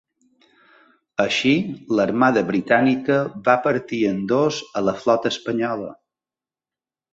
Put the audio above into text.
Així, l'armada britànica va partir en dos a la flota espanyola.